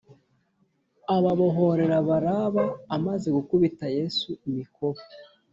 ababohorera Baraba amaze gukubita Yesu imikoba